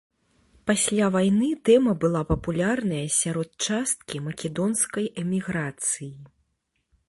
Пасля вайны тэма была папулярная сярод часткі македонскай эміграцыі.